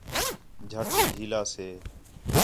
جَھٹ ہِک ہِیلا سے